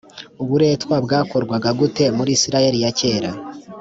uburetwa bwakorwaga bute muri isirayeli ya kera